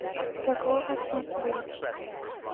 The goal was not reached.